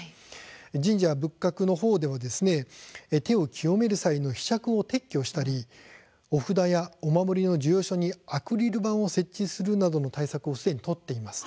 神社仏閣のほうでは手を清める際のひしゃくを撤去したりお札や、お守りの授与所にアクリル板を設置するなどの対策をすでに取っています。